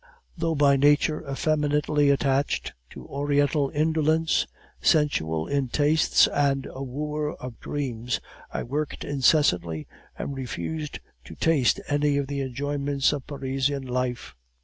Though by nature effeminately attached to Oriental indolence, sensual in tastes, and a wooer of dreams, I worked incessantly, and refused to taste any of the enjoyments of Parisian life.